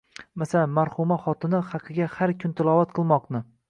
masalan, marhuma xotini haqiga har kun tilovat qilmoqni